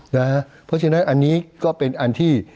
เพราะฉะนั้นอันนี้ก็เป็นอันที่